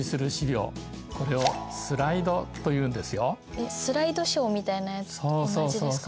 えっスライドショーみたいなやつと同じですか？